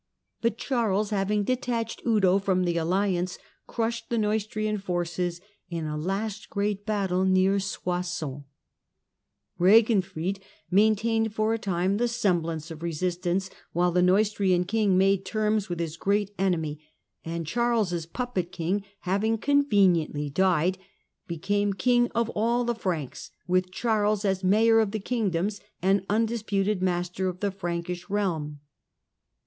But Charles, having detached Eudo from the alliance, crushed the Neustrian forces in a last great battle near Soissons. Reginfrid maintained for a time the semblance of resistance, while the Neustrian king made terms with his great enemy, and, Charles' puppet king having con veniently died, became king of all the Franks, with Charles as mayor of the kingdoms and undisputed master of the Frankish realm.